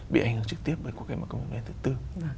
bị ảnh hưởng trực tiếp với cuộc cái mạng công nghiệp lần thứ tư